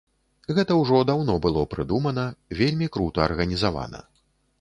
Гэта ўжо даўно было прыдумана, вельмі крута арганізавана.